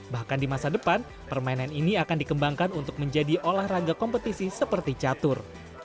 bahkan di masa depan permainan ini akan dikembangkan untuk menjadi olahraga kompetisi seperti catur